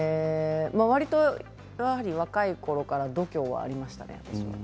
わりと若いころから度胸はありましたね。